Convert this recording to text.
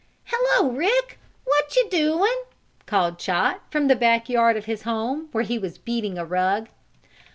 "Hello, Rick! What you doin'?" called Chot from the back yard of his home, where he was beating a rug.